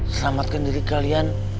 selamatkan diri kalian